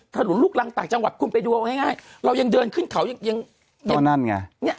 ถลุนลูกรังต่างจังหวัดคุณไปดูเอาง่ายง่ายเรายังเดินขึ้นเขายังยังตอนนั้นไง